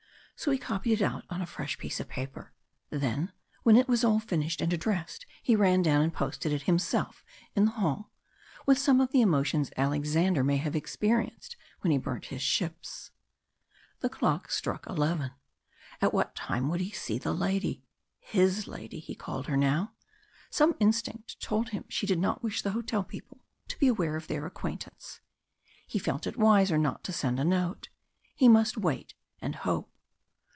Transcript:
So he copied it out on a fresh piece of paper. Then, when it was all finished and addressed he ran down and posted it himself in the hall, with some of the emotions Alexander may have experienced when he burnt his ships. The clock struck eleven. At what time would he see the lady his lady he called her now. Some instinct told him she did not wish the hotel people to be aware of their acquaintance. He felt it wiser not to send a note. He must wait and hope.